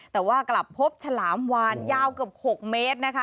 แต่ว่ากลับพบฉลามวานยาวเกือบ๖เมตรนะคะ